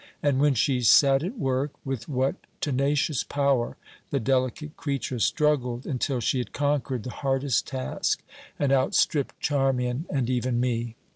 And when she sat at work, with what tenacious power the delicate creature struggled until she had conquered the hardest task and outstripped Charmian and even me!